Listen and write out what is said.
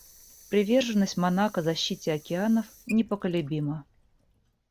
Приверженность Монако защите океанов непоколебима.